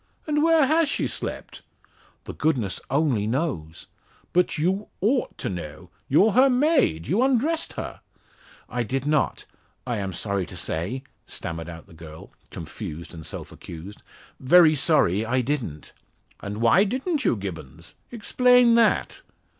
"And where has she slept?" "The goodness only knows." "But you ought to know. You're her maid you undressed her?" "I did not I am sorry to say," stammered out the girl, confused and self accused, "very sorry I didn't." "And why didn't you, Gibbons? explain that."